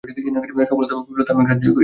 সফলতা বা বিফলতা আমি গ্রাহ্যই করি না।